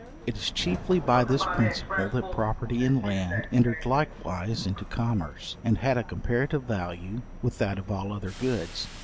It is chiefly by this principle that property in land entered likewise into commerce, and had a comparative value with that of all the other goods.